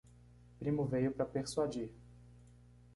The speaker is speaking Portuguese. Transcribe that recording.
Primo veio para persuadir